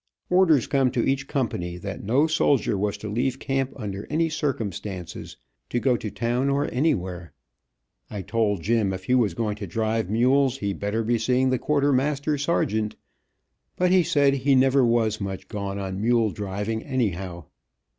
Orders come to each company, that no soldier was to leave camp under any circumstances, to go to town or anywhere. I told Jim if he was going to drive mules, he better be seeing the quartermaster sergeant, but he said he never was much gone on mule driving, anyhow.